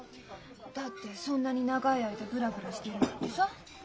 だってそんなに長い間ブラブラしてるなんてさ。